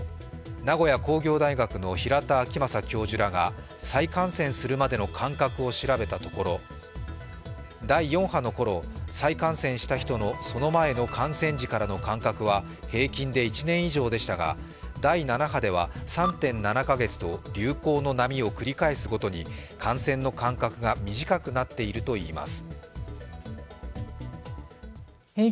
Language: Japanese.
名古屋工業大学の平田晃正教授らがら再感染するまでの間隔を調べたところ第４波のころ、再感染した人のその前の感染時からの間隔は平均で１年以上でしたが、第７波では３．７か月と流行の波を繰り返すごとに感染の間隔が短くなっているといいます。